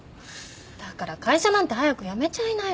だから会社なんて早く辞めちゃいなよ。